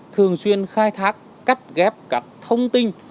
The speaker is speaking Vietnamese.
thường xuyên khai thác cắt ghép các thông tin